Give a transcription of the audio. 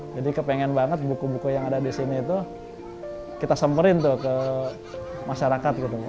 jadi kepengen banget buku buku yang ada di sini itu kita semerin tuh ke masyarakat gitu